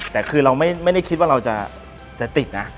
แต่คือเราไม่ได้คิดว่าเราจะติดนะ